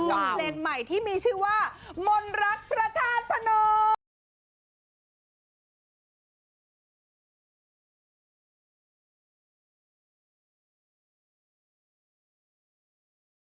กับเพลงใหม่ที่มีชื่อว่ามนรักประธานพนุษย์